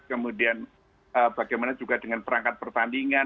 kemudian bagaimana juga dengan perangkat pertandingan